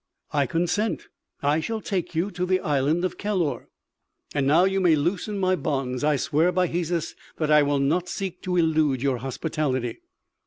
"I consent. I shall take you to the island of Kellor." "And now you may loosen my bonds. I swear by Hesus that I shall not seek to elude your hospitality."